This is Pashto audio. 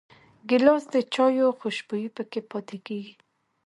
ګیلاس د چايو خوشبويي پکې پاتې کېږي.